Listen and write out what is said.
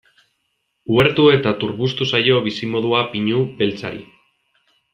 Uhertu eta turbustu zaio bizimodua pinu beltzari.